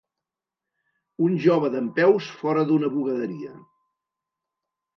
Un jove dempeus fora d'una bugaderia.